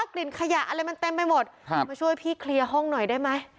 กลิ่นขยะอะไรมันเต็มไปหมดมาช่วยพี่เคลียร์ห้องหน่อยได้ไหม